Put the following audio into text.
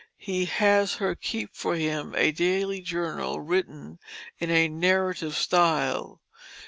He has her keep for him a daily journal written in a narrative style.